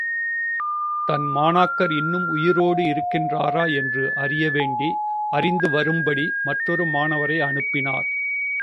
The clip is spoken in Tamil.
தன் மாணாக்கர் இன்னும் உயிரோடு—இருக்கின்றாரா என்று அறிய வேண்டி, அறிந்துவரும்படி மற்றொரு மாணவரை அனுப்பினார்.